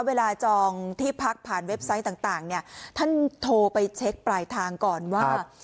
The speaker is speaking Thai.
จองที่พักผ่านเว็บไซต์ต่างเนี่ยท่านโทรไปเช็คปลายทางก่อนว่า